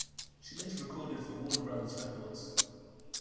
She later recorded for Warner Brothers Records.